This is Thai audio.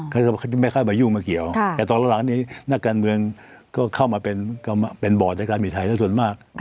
เขาจะไม่เข้ามายุ่งกันเกี่ยวแต่ตอนหลังเราก็เข้ามาเป็นบอร์ดในการบินไทยส่วนมาก